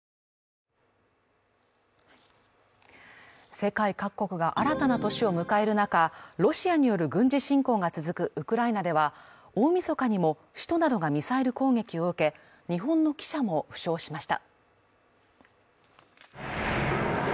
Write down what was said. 世界各国が新たな年を迎える中、ロシアによる軍事侵攻が続くウクライナでは大みそかにも首都などがミサイル攻撃を受け、日本の記者も負傷しました。